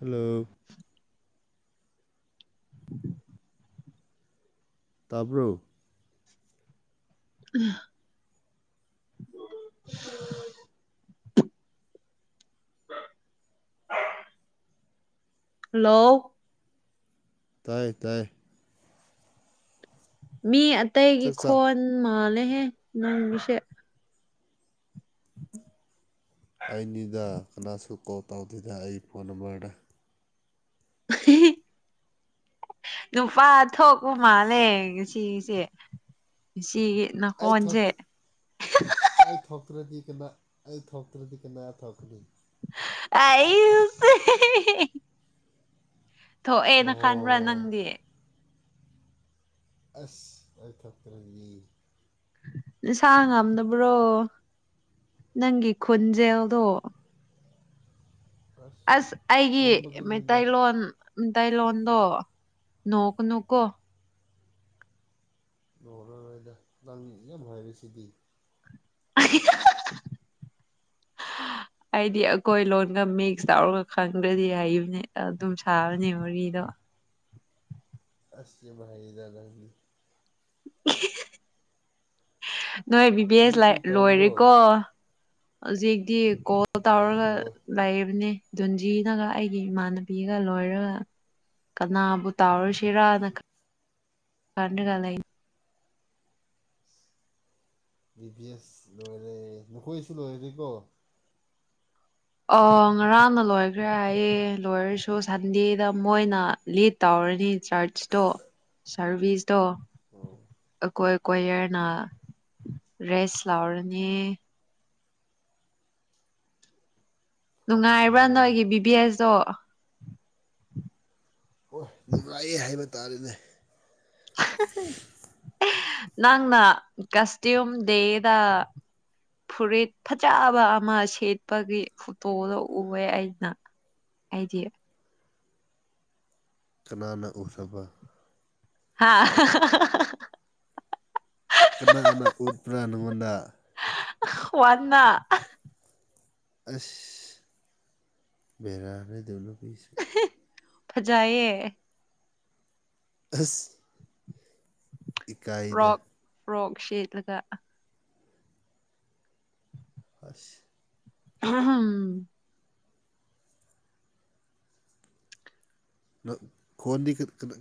hello [inaudible] ꯇꯥꯕ꯭ꯔꯣ ꯎꯝ [unintelligible] hello ꯇꯥꯏꯌꯦ ꯇꯥꯏꯌꯦ ꯃꯤ ꯑꯇꯩꯒꯤ ꯆꯥꯛꯆꯥ ꯈꯣꯟ ꯃꯥꯜꯂꯦꯍꯦ ꯅꯪꯒꯤꯁꯦ ꯑꯅꯤꯗ ꯀꯅꯥꯁꯨ ꯀꯣꯜ ꯇꯧꯗꯦꯗ ꯑꯩ ꯐꯣꯟ ꯅꯝꯕꯔꯗ [unintelligible] ꯅꯨꯄꯥ ꯊꯣꯛꯄ ꯃꯥꯜꯂꯦ ꯉꯁꯤꯒꯤꯁꯦ ꯉꯁꯤꯒꯤ ꯑꯩ ꯅꯈꯣꯟꯁꯦ ꯊꯣꯛꯇ ꯑꯩ ꯊꯣꯛꯇ꯭ꯔꯗꯤ ꯀꯅꯥ ꯑꯩ ꯊꯣꯛꯇ꯭ꯔꯗꯤ ꯀꯅꯥ ꯊꯣꯛꯀꯅꯤ ꯑꯩ [unintelligible] ꯊꯣꯛꯑꯦꯅ ꯑꯣ ꯈꯟꯕ꯭ꯔꯥ ꯅꯪꯗꯤ ꯑꯁ ꯑꯩ ꯊꯈ꯭ꯔꯒꯤ ꯅꯁꯥ ꯉꯝꯗꯕ꯭ꯔꯣ ꯅꯪꯒꯤ ꯈꯨꯟꯖꯦꯜꯗꯣ ꯑꯁ ꯑꯩꯒꯤ ꯇꯨꯝꯕꯒꯤꯅꯤꯗ ꯃꯩꯇꯩꯂꯣꯟ ꯃꯩꯇꯩꯂꯣꯟꯗꯣ ꯅꯣꯛ ꯀꯅꯨ ꯀꯣ ꯅꯣꯛꯔꯔꯣꯏꯗ ꯅꯪ ꯌꯥꯝ ꯍꯥꯏꯔꯤꯁꯤꯗꯤ [unintelligible] [inaudible] ꯑꯩꯗꯤ ꯑꯩꯈꯣꯏ ꯂꯣꯟꯒ ꯃꯤꯛꯁ ꯇꯧꯔꯒ ꯈꯪꯗ꯭ꯔꯗꯤ ꯍꯥꯢꯕꯅꯦ ꯑꯗꯨꯝ ꯁꯥꯕꯅꯦ ꯋꯥꯔꯤꯗꯣ ꯑꯁ ꯌꯥꯝ ꯍꯩꯗ ꯅꯪꯗꯤ [unintelligible] [inaudible] ꯅꯣꯏ ꯀꯔꯤ ꯕꯤꯕꯦꯁ ꯀꯔꯤ ꯇꯧꯕ꯭ꯔꯣ ꯂꯣꯏꯔꯦꯀꯣ ꯍꯧꯖꯤꯛꯇꯤ ꯀꯣꯜ ꯍꯣꯏ ꯇꯧꯔꯒ ꯂꯣꯏ ꯂꯩꯔꯤꯕꯅꯦ ꯗꯨꯟꯖꯤꯅꯒ ꯑꯩꯒꯤ ꯏꯃꯥꯟꯅꯕꯤꯒ ꯂꯣꯏꯔꯒ ꯀꯅꯥꯕꯨ ꯇꯥꯎꯔꯨꯁꯤꯔꯅ ꯈꯟꯂꯒ ꯂꯩ ꯕꯤ ꯕꯤ ꯑꯦꯁ ꯂꯣꯏꯔꯦ ꯅꯈꯣꯏꯁꯨ ꯂꯣꯏꯔꯦꯀꯣ ꯑ ꯉꯔꯥꯡꯅ ꯂꯣꯏꯈ꯭ꯔꯦ ꯍꯥꯏꯌꯦꯦ ꯂꯣꯏꯔꯁꯨ ꯁꯟꯗꯦꯗ ꯃꯣꯏꯅ ꯂꯤꯠ ꯇꯧꯔꯅꯤ ꯆꯔꯆꯇꯣ ꯁꯔꯚꯤꯁꯇꯣ ꯑꯣ ꯀꯣꯏ ꯀꯣꯌꯔꯅ ꯔꯦꯁ ꯂꯥꯎꯔꯅꯤ ꯐꯔꯦꯅꯦ ꯅꯨꯡꯉꯥꯏꯕ꯭ꯔꯥ ꯅꯣꯏꯒꯤ ꯕꯤꯕꯤ ꯑꯦꯁꯇꯣ ꯑꯣ ꯅꯨꯡꯉꯥꯏꯌꯦ ꯍꯥꯏꯕ ꯇꯥꯔꯦꯅꯦ [unintelligible] ꯅꯪꯅ ꯀꯁ꯭ꯌꯨꯝ ꯗꯦꯗꯥ ꯐꯨꯔꯤꯠ ꯐꯖꯕ ꯑꯃ ꯁꯦꯠꯄꯒꯤ ꯐꯣꯇꯣꯗꯣ ꯎꯑꯦ ꯑꯩꯅ ꯑꯩꯗꯤ ꯀꯅꯥꯅ ꯎꯁꯥꯕ ꯍꯥꯥ [unintelligible] [inaudible] ꯀꯅꯥꯅꯥ ꯎꯠꯄ꯭ꯔꯥ ꯅꯪꯉꯣꯟꯗ ꯋꯥꯅ [unintelligible] [inaudible] ꯑꯁ ꯕꯦꯔꯥꯅꯤ ꯑꯗꯨ ꯅꯨꯄꯤꯁꯨ ꯐꯖꯩꯌꯦ ꯑꯁ ꯏꯀꯥꯏꯗ ꯐ꯭ꯔꯣꯛ ꯐ꯭ꯔꯣꯛ ꯁꯦꯠꯂꯒ [inaudible] ꯍꯁ [unintelligible] ꯈꯣꯟꯗꯤ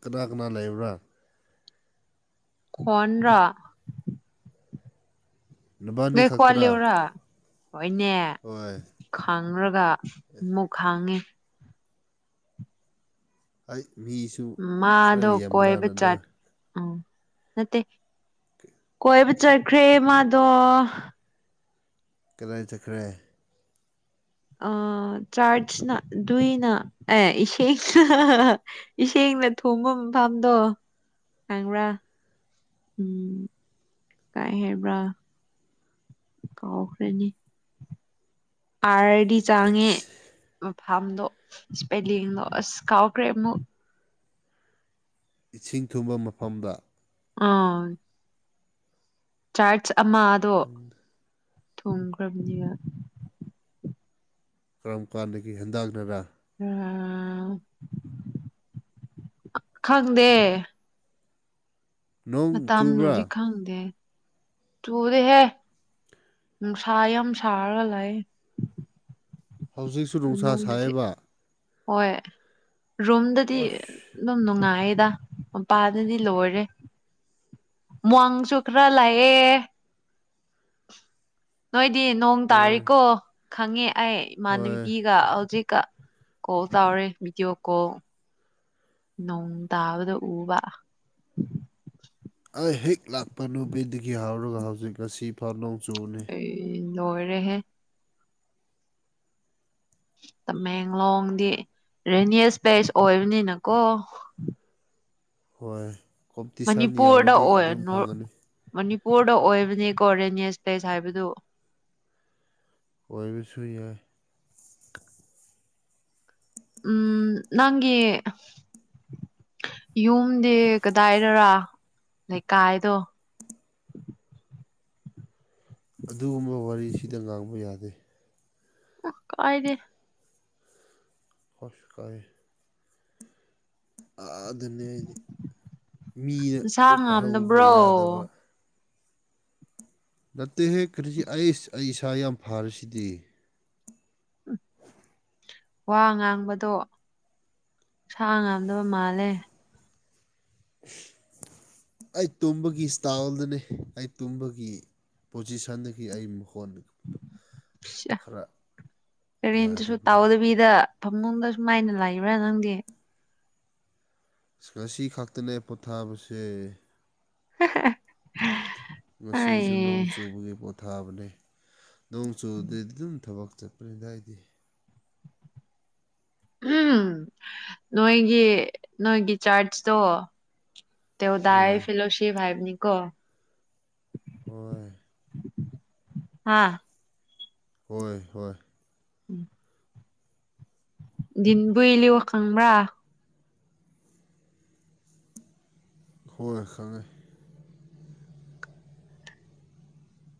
ꯀꯅꯥ ꯀꯅꯥ ꯂꯩꯕ꯭ꯔꯥ ꯈꯣꯟꯔꯣ ꯅꯕꯥꯅꯤ ꯉꯩ ꯈꯛꯇꯔꯥ ꯀꯠꯂꯤꯎꯔ ꯍꯣꯏꯅꯦ ꯍꯣꯏ ꯈꯡꯔꯒ ꯑꯃꯨꯛ ꯈꯡꯉꯤ ꯑꯩ ꯃꯤꯁꯨ ꯈꯔ ꯃꯥꯗꯣ ꯀꯣꯏꯕ ꯌꯥꯝꯕ꯭ꯔꯥꯅꯗ ꯆꯠ ꯎꯝ ꯅꯠꯇꯦ [unintelligible] [inaudible] ꯀꯣꯏꯕ ꯆꯠꯈ꯭ꯔꯦ ꯃꯥꯗꯣ ꯀꯗꯥꯏ ꯆꯠꯈ꯭ꯔꯦ ꯑ ꯆꯥꯔꯁꯅ ꯗꯨꯏꯅ ꯑꯦ ꯏꯁꯤꯡꯅ ꯏꯁꯤꯡꯅ ꯊꯣꯡꯕ ꯃꯐꯝꯗꯣ ꯈꯪꯕ꯭ꯔꯥ ꯎꯝ ꯀꯥꯏ ꯍꯥꯏꯕ꯭ꯔꯥ ꯀꯥꯎꯈ꯭ꯔꯦꯅꯤ ꯑꯥꯔꯗꯤ ꯆꯥꯡꯉꯦ ꯃꯐꯝꯗꯣ ꯏꯁꯄꯦꯂꯤꯡꯗꯣ ꯑꯁ ꯀꯥꯎꯈ꯭ꯔꯦ ꯑꯃꯨꯛ ꯏꯁꯤꯡ ꯊꯨꯡꯕ ꯃꯐꯝꯗ ꯑꯥ ꯆꯥꯔꯆ ꯑꯃꯗꯨ ꯊꯣꯡꯈ꯭ꯔꯕꯅꯤꯒ [unintelligible] ꯀꯔꯝ ꯀꯥꯟꯗꯒꯤ ꯍꯦꯟꯗꯥꯡꯅꯔ [unintelligible] ꯎꯝ ꯈꯪꯗꯦ ꯅꯣꯡ ꯃꯇꯝꯝ ꯆꯨꯕ꯭ꯔꯥ ꯗꯨꯗꯤ ꯈꯪꯗꯦ ꯊꯨꯗ‌ꯦꯍ‌ꯦ ꯅꯨꯡꯁꯥ‌ ꯌꯥꯝ ꯁꯥꯥꯒ ꯂꯩ ꯍꯧꯖꯤꯛꯁꯨ ꯅꯨꯡꯁꯥ ꯃꯅꯨꯡꯗꯗꯤ ꯁꯥꯏꯌ‌ꯦꯕ ꯍꯣꯏ ꯔꯨꯝꯨꯝꯗꯗꯤ ꯑꯁ ꯑꯗꯨꯝ ꯅꯨꯡꯉꯥꯏꯌꯦꯗ ꯃꯄꯥꯜꯗꯗꯤ ꯂꯣꯏꯔꯦ [unintelligible] ꯋꯥꯡꯁꯨ ꯈꯔ ꯂꯥꯛꯑꯦ ꯅꯣꯏꯗꯤ ꯅꯣꯡ ꯂꯣꯏ ꯇꯥꯔꯤꯀꯣ ꯈꯪꯉꯦ ꯑꯩ ꯍꯣꯏ ꯏꯃꯥꯟꯅꯕꯤꯒ ꯍꯧꯖꯤꯛꯀ ꯀꯣꯜ ꯇꯧꯔꯦ ꯕꯤꯗꯤꯌ‌ꫭ ꯀꯣꯜ ꯅꯣꯡ ꯇꯕꯗ ꯎꯨꯕ ꯑꯩ ꯍꯦꯛ ꯂꯥꯛꯄ ꯅꯨꯕꯤꯗꯒꯤ ꯍꯧꯔꯒ ꯍꯧꯖꯤꯛ ꯉꯁꯤ ꯐꯥꯎ ꯅꯧ ꯆꯨꯕꯅꯤ ꯑꯩ ꯂꯣꯏꯔꯦꯍꯦ ꯇꯃꯦꯡꯂꯣꯡꯗꯤ ꯔꯦꯅꯤꯁ ꯄ꯭ꯂꯦꯁ ꯑꯣꯏꯕꯅꯤꯅꯀꯣ ꯍꯣꯏ ꯀꯣꯝꯄꯤꯇꯤꯁꯟ ꯃꯅꯤꯄꯨꯔꯗ ꯌꯥꯎꯔꯗꯤ ꯑꯣꯏ ꯑꯗꯨꯝ ꯐꯒꯅꯤ ꯃꯅꯤꯄꯨꯔꯗ ꯑꯣꯏꯕꯅꯤꯀꯣ ꯔꯦꯅꯤꯁ ꯄ꯭ꯂꯦꯁ ꯍꯥꯏꯕꯗꯨ ꯑꯣꯏꯔꯁꯨ ꯌꯥꯏ ꯎꯝ ꯅꯪꯒꯤ ꯌꯨꯝꯗꯤ ꯀꯗꯥꯏꯗꯔꯥ ꯂꯩꯀꯥꯏꯗꯣ ꯑꯗꯨꯒꯨꯝꯕ ꯋꯥꯔꯤꯁꯤꯗ ꯉꯥꯡꯕ ꯌꯥꯗꯦ ꯎ ꯀꯥꯏꯗꯦ ꯑꯁ ꯀꯥꯏ ꯑꯥꯗꯅꯦ ꯑꯩꯗꯤ ꯃꯤꯖ‌ꯦ ꯅꯁꯥ ꯎꯠꯍꯧꯕ ꯉꯥꯝꯗꯕ꯭ꯔꯣ ꯌꯥꯗꯕ ꯅꯠꯇꯦꯍꯦ ꯀꯔꯤ ꯑꯩꯁ ꯑꯩ ꯏꯁꯥ ꯌꯥꯝ ꯐꯥꯔꯤꯁꯤꯗꯤ ꯋꯥ ꯉꯥꯡꯕꯗꯣ ꯏꯁꯥ ꯉꯥꯡꯝꯗꯕ ꯃꯥꯜꯂꯦ ꯑꯩ ꯇꯨꯝꯕꯒꯤ ꯏꯁꯇꯥꯥꯏꯜꯗꯅꯦ ꯑꯩ ꯇꯨꯝꯕꯒꯤ ꯄꯣꯖꯤꯁꯟꯗꯒꯤ ꯑꯩꯃꯨꯛ ꯍꯣꯠꯅꯒ [unintelligible] ꯔꯦꯟ ꯇꯁꯨ ꯌꯥꯗꯕꯒꯤꯅꯤ ꯇꯑꯣꯗ [unintelligible] ꯄ ꯁꯤꯗ ꯐꯃꯨꯡꯗ ꯁꯨꯃꯥꯏꯅ ꯂꯩꯕ꯭ꯔꯥ ꯅꯪꯗꯤ ꯑꯁ ꯉꯁꯤ ꯈꯛꯇꯅꯦ ꯄꯣꯊꯥꯕꯁꯦ [unintelligible] ꯉꯁꯤꯁꯨ ꯑꯩ ꯅꯣꯡ ꯆꯨꯕꯒꯤ ꯄꯣꯊꯥꯕꯅꯦ ꯅꯣꯡ ꯆꯨꯗꯔꯗꯤ ꯑꯗꯨꯝ ꯊꯕꯛ ꯆꯠꯄ ꯄ꯭ꯅꯤꯗ ꯑꯩꯗꯤ ꯎꯝ ꯅꯣꯏꯒꯤ ꯅꯣꯏꯒꯤ ꯆꯥꯔꯖꯇꯣ ꯇꯣ ꯗꯏꯌꯦ ꯎꯝ ꯐꯤꯂꯣ ꯁꯤ [unintelligible] ꯍꯥꯏꯥꯏꯅꯤ ꯀꯣ ꯍꯣꯏ ꯍꯥꯥ ꯍꯣꯏ ꯍꯣꯏ ꯎꯝ ꯤꯟꯕꯨ ꯏꯂꯤ [unintelligible] ꯋꯥꯀꯉꯕ꯭ꯔꯥ ꯍꯣꯏ ꯈꯪꯉꯦ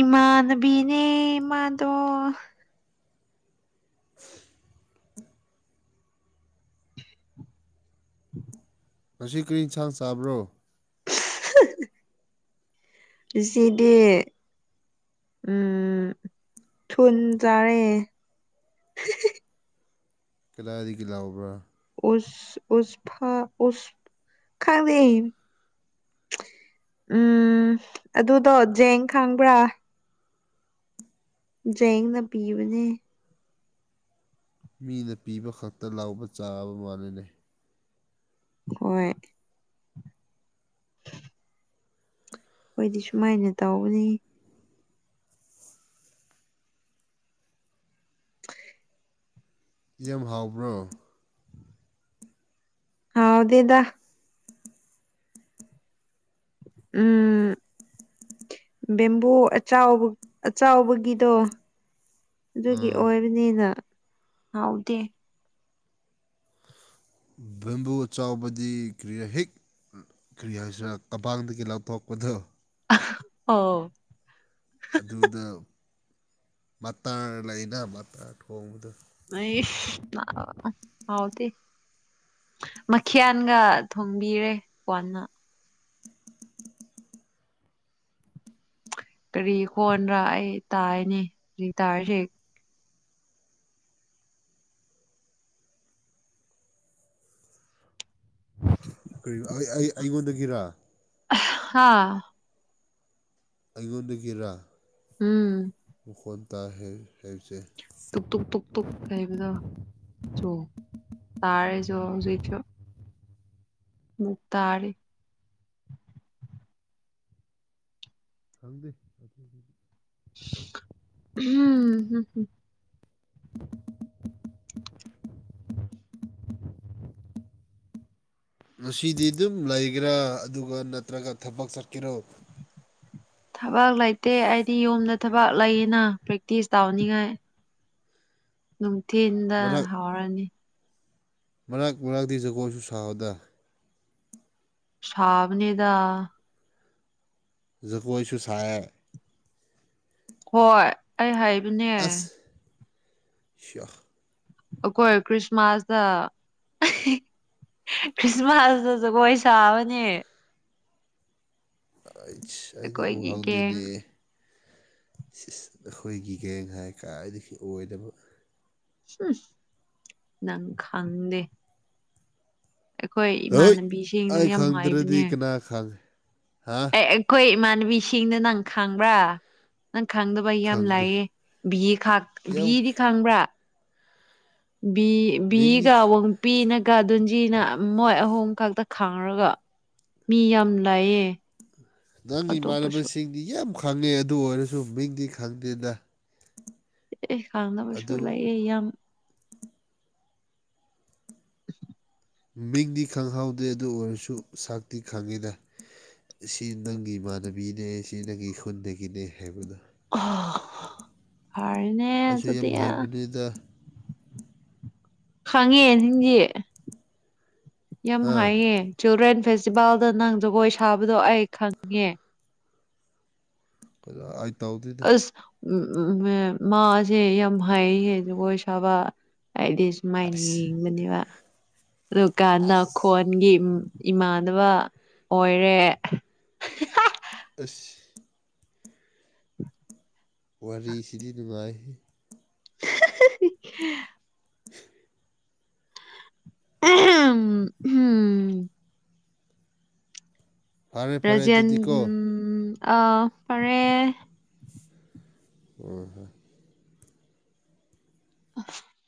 ꯏꯃꯥꯟꯅꯕꯤꯅꯦ ꯏꯃꯥꯗꯣ [unintelligible] [unintelligible] ꯉꯁꯤ ꯀꯔꯤ ꯌꯦꯟꯁꯥꯡ ꯆꯥꯕ꯭ꯔꯣ ꯍ [unintelligible] ꯉꯁꯤꯗꯤ ꯎꯝ ꯊꯨ ꯆꯥꯏꯌ‌ꯦ ꯀꯗꯥꯥꯏꯗꯒꯤ ꯂꯧꯕ꯭ꯔꯥ ꯎ ꯎ ꯐꯥ ꯈꯪꯗ [inaudible] ꯎꯝ ꯑꯗꯨꯗꯣ ꯖꯦꯡ ꯈꯥꯡꯕ꯭ꯔꯥ ꯖꯦꯡꯅ ꯄꯤꯕꯅꯦ ꯃꯤꯅ ꯄꯤꯕ ꯈꯛꯇ ꯂꯥꯎꯕ ꯆꯥꯕ ꯃꯥꯂꯤꯅꯦ ꯍꯣꯏ ꯑꯩꯈꯣꯏꯗꯤ ꯁꯨꯃꯥꯏꯅ ꯇꯧꯕꯅꯤ ꯍ [inaudible] ꯌꯥꯝ ꯍꯥꯎꯕ꯭ꯔꯣ ꯥꯍꯥꯎꯗꯦꯗ [inaudible] ꯎꯝ ꯕꯦꯝꯕꯨ ꯑꯆꯧ ꯑꯆꯧꯕꯒꯤꯗꯣ ꯑꯗꯨꯒꯤ ꯑꯥ ꯑꯣꯏ ꯑꯗꯨꯅꯦꯅ ꯍꯥꯎꯗꯦ ꯕꯦꯝꯕꯨ ꯆꯥꯎꯕꯗꯤ ꯀ꯭ꯔꯤꯌꯥ ꯍꯦꯛ ꯀꯔꯤ ꯍꯥꯏꯁꯤꯦ ꯀꯕꯥꯡꯗꯒꯤ ꯂꯧꯎꯊꯣꯛꯄꯗꯨ ꯑꯣ ꯑꯗꯨꯗ ꯃꯇꯥ ꯂꯩꯅ ꯃꯇ ꯊꯣꯡꯕꯗ ꯃꯁ ꯍꯥꯎꯗꯤ ꯃꯈꯤꯌꯥꯒ ꯊꯣꯡꯕꯤꯔꯦ ꯋꯥꯅ [unintelligible] ꯀꯔꯤ ꯍꯣꯟꯗ꯭ꯔꯥ ꯑꯩ ꯇꯥꯏꯅꯤ ꯍꯧꯖꯤꯛ ꯇꯥꯔꯤꯁꯤ ꯀꯔꯤ ꯑꯩ ꯑꯩꯉꯣꯟꯗꯒꯤꯔ ꯍꯥꯥ ꯑꯩꯉꯣꯟꯗꯒꯤꯔꯥ ꯎꯝ ꯃꯈꯣꯜ ꯇꯥꯢ ꯍꯥꯏ ꯍꯥꯏꯁꯦ ꯇꯨꯛ ꯇꯨꯛ ꯇꯨꯛ ꯇꯨꯛ ꯍꯥꯢꯕꯗꯣ ꯇꯥꯔꯦꯁꯨ ꯍꯧꯖꯤꯛꯁꯨ ꯑꯃꯨꯛ ꯇꯥꯔꯦ ꯈꯪꯗꯦ ꯑꯗꯨꯗꯤ ꯍꯝꯝꯝ [inaudible] ꯉꯁꯤꯗꯤ ꯑꯗꯨꯝ ꯂꯩꯒꯦꯔꯥ ꯑꯗꯨꯒ ꯅꯠꯇ꯭ꯔꯒ ꯊꯕꯛ ꯆꯠꯀꯦꯔꯣ ꯊꯕꯥꯛ ꯂꯩꯇꯦ ꯑꯩꯗꯤ ꯌꯨꯝꯗ ꯊꯕꯥꯛ ꯂꯩꯌꯦꯅ ꯄ꯭ꯔꯦꯛꯇꯤꯁ ꯇꯧꯅꯤꯡꯉꯥꯏ ꯅꯨꯡꯊꯤꯟꯗ ꯃꯔꯛ ꯍꯧꯔꯅꯤ ꯃꯔꯛ ꯃꯔꯛꯇꯤ ꯖꯒꯣꯏꯁꯨ ꯁꯥꯎꯑꯣꯗ ꯁꯥꯕꯅꯦꯗ ꯀꯣꯏꯁꯨ ꯁꯥꯏꯌꯦ ꯍꯣꯏ ꯑꯩ ꯍꯥꯏꯕꯅꯦ ꯑꯁ ꯁꯤꯌꯥ ꯑꯩꯈꯣꯏ ꯈ꯭ꯔꯤꯁꯃꯥꯁꯇ ꯈ꯭ꯔꯤꯁꯃꯥꯁꯇ ꯖꯀꯣꯏ ꯁꯥꯕꯅꯦ ꯑꯩꯁ ꯑꯩꯗꯤ ꯑꯩꯈꯣꯏꯒꯤ ꯒꯦꯡ ꯎꯍꯥꯎꯗꯤꯅꯦ ꯑꯩꯈꯣꯏꯒꯤꯒꯦꯡ ꯍꯥꯏ ꯀꯗꯥꯏꯗꯒꯤ ꯑꯣꯏꯗꯕ ꯎꯝ ꯅꯪ ꯈꯪꯗꯦ ꯑꯩꯈꯣꯏ ꯍꯣꯏ ꯏꯃꯥꯟꯅꯕꯤꯁꯤꯡꯗꯣ ꯑꯩ ꯌꯥꯝ ꯈꯪꯗ꯭ꯔꯗꯤ ꯍꯥꯏꯕꯅꯦ ꯀꯅꯥ ꯈꯪꯉꯦ ꯍꯥ ꯑꯦ ꯑꯩꯈꯣꯏ ꯏꯃꯥꯟꯅꯕꯤꯁꯤꯡꯅ ꯅꯪ ꯈꯪꯕ꯭ꯔꯥ ꯅꯪ ꯈꯪꯗꯕ ꯑꯩ ꯌꯥꯝ ꯈꯪꯗ꯭ꯔꯦ ꯂꯥꯏꯌꯦ ꯚꯤ ꯌꯥꯝ ꯕꯤꯗꯤ ꯈꯪꯕ꯭ꯔꯥ ꯕꯤ ꯃꯤꯡꯗꯤ ꯒꯕ [inaudible] ꯅꯨꯄꯤꯅꯒ ꯟꯖꯤꯅ ꯃꯣꯏ ꯑꯍꯣꯡ ꯈꯛꯇ ꯈꯥꯡꯔꯒ ꯃꯤ ꯌꯥꯝ ꯂꯩꯌꯦ ꯅꯪꯒꯤ ꯑꯇꯣꯞꯄꯁꯨ ꯏꯃꯥꯟꯅꯕꯁꯤꯡ ꯌꯥꯝ ꯈꯪꯉꯦ ꯑꯗꯨ ꯑꯣꯏꯔꯁꯨ ꯃꯤꯡꯗꯤ ꯈꯪꯗꯦꯗ ꯑꯦ ꯈꯥꯡꯗꯕꯁꯨꯨ ꯑꯗꯨ ꯂꯩꯥꯛꯌꯦ ꯌꯥꯝ ꯃꯤꯡꯗꯤ ꯈꯪꯍꯧꯗꯦ ꯑꯗꯨ ꯑꯣꯏꯔꯁꯨ ꯁꯛꯇꯤ ꯈꯪꯉꯤꯅ ꯁꯤ ꯅꯪꯒꯤ ꯏꯃꯥꯟꯅꯕꯤꯅꯦ ꯁꯤ ꯅꯪꯒꯤ ꯈꯨꯟꯗꯒꯤꯅꯦ ꯍꯥꯏꯕꯗꯣ ꯐꯔꯦꯅꯦ ꯑꯩꯁꯨ ꯌꯥꯝ ꯑꯗꯨꯗꯤ ꯍꯩꯕꯅꯤꯗ ꯈꯥꯡꯉꯦ ꯅꯪꯗꯤ ꯌꯥꯝ ꯍꯥ ꯍꯥꯏꯌꯦ ꯆꯤꯜꯗ꯭ꯔꯦꯟ ꯐꯦꯁꯇꯤꯚꯦꯜꯗ ꯅꯪ ꯖꯒꯣꯏ ꯁꯥꯕꯗꯣ ꯑꯩ ꯈꯪꯉꯦ [unintelligible] ꯑꯁ ꯎꯝ ꯎꯝ ꯃꯥꯁꯦ ꯌꯥꯝ ꯍꯩꯌꯦ ꯖꯒꯣꯏ ꯁꯥꯕ ꯍꯥꯏꯗꯤ ꯁꯨꯃꯥꯏꯅ ꯑꯁ ꯌꯦꯡꯕꯅꯦꯕ ꯑꯗꯨꯀꯥꯟꯗ ꯈꯣꯟꯒꯤ ꯏꯃꯥꯟꯅꯕ ꯑꯣꯏꯔꯦ ꯑꯁ [inaudible] ꯋꯥꯔꯤꯁꯤꯗꯤ ꯅꯨꯡꯉꯥꯏꯍꯦ [inaudible] [unintelligible] ꯐꯔꯦ ꯐꯔꯦ ꯔꯖꯦꯟ ꯑꯗꯨꯗꯤꯀꯣ ꯎꯝ ꯑꯥ ꯐꯔꯦ [unintelligible] [unintelligible]